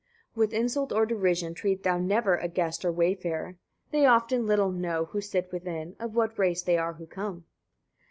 134. With insult or derision treat thou never a guest or wayfarer. They often little know, who sit within, of what race they are who come.